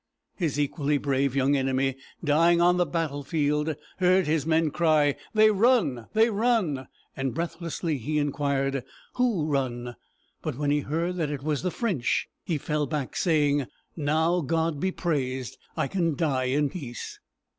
His equally brave young enemy, dying on the battlefield, heard his men cry: "They run! they run!" Breathlessly he inquired, "Who run?" but when he heard that it was the French, he fell back, saying: "Now God be praised! I can die in peace."